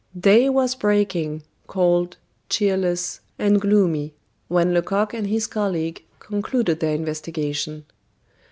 Day was breaking, cold, cheerless, and gloomy, when Lecoq and his colleague concluded their investigation.